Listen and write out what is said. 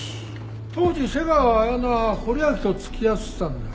当時瀬川綾乃は堀脇と付き合ってたんだよねえ。